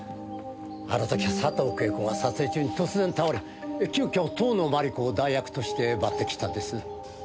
あの時は佐藤景子が撮影中に突然倒れ急遽遠野麻理子を代役として抜擢したんです。